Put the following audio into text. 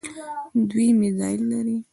دوی میزایل لري.